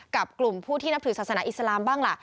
กับกลุ่มผู้ที่นับถือศาสนาอิสลามบ้างล่ะ